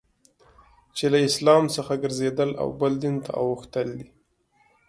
چي له اسلام څخه ګرځېدل او بل دین ته اوښتل دي.